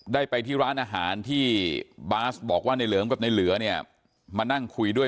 ได้ไปที่ร้านอาหารที่บาสบอกว่าในเหลิมกับในเหลือเนี่ยมานั่งคุยด้วย